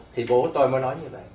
thì bố tôi mới nói như vậy